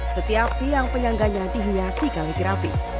setiap tiang penyangganya dihiasi kaligrafi